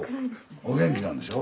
お元気なんでしょう？